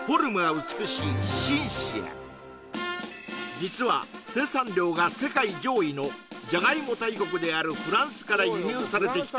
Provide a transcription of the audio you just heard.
実は生産量が世界上位のじゃがいも大国であるフランスから輸入されてきた